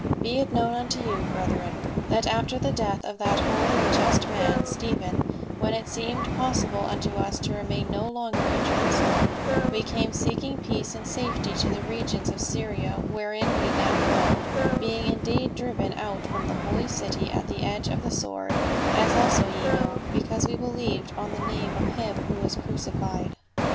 " Be it known unto you, brethren, that after the death of that holy and just man, Stephen, when it seemed possible unto us to remain no longer in Jeru salem, we came seeking peace and safety to the regions of Syria wherein we now dwell ; being indeed driven out from the holy city at the edge of the sword, as also ye know, because we believed on the name of him who was crucified.